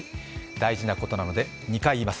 大事なことなので２回言います。